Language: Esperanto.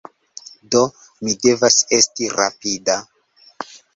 Do, mi devas esti rapida